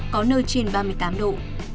có nơi trên ba mươi tám độ